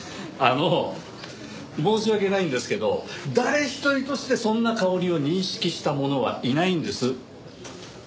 あの申し訳ないんですけど誰一人としてそんな香りを認識した者はいないんです。